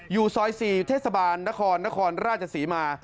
อยู่ซอย๔เทศบาลนครนครราชศรีมา